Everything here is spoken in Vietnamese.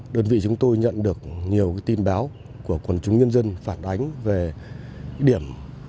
đơn vị chúng tôi nhận được nhiều tin báo của quần chúng nhân dân phản ánh về điểm